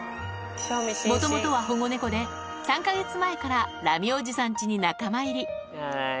もともとは保護猫で、３か月前からラミおじさんちに仲間入り。